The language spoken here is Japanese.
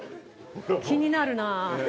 気になるなあ。